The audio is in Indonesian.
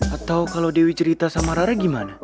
atau kalau dewi cerita sama rara gimana